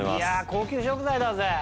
高級食材だぜ。